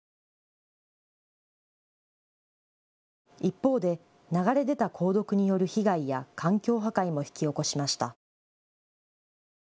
一方で流れ出た鉱毒による被害や環境破壊も引き起こしました。